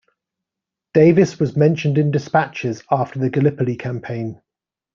Davies was mentioned in despatches after the Gallipoli campaign.